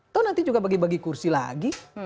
atau nanti juga bagi bagi kursi lagi